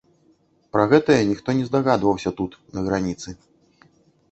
Пра гэтае ніхто не здагадваўся тут на граніцы.